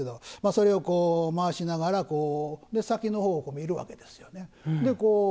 それを回しながら先のほうを見るわけですよね。